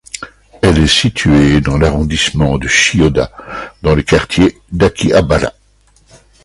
Elle est située dans l'arrondissement de Chiyoda, dans le quartier d'Akihabara.